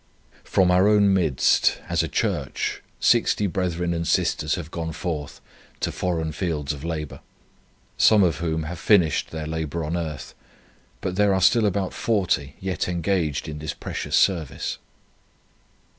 "From our own midst, as a church sixty brethren and sisters have gone forth to foreign fields of labour, some of whom have finished their labour on earth; but there are still about forty yet engaged in this precious service."